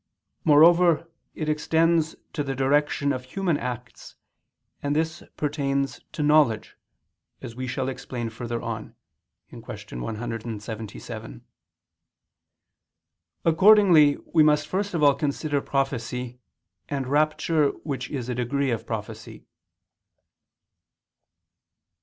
_ Moreover it extends to the direction of human acts, and this pertains to knowledge, as we shall explain further on (Q. 177). Accordingly we must first of all consider prophecy, and rapture which is a degree of prophecy.